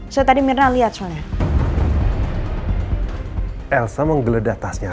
saya tadi mierna liat semuanya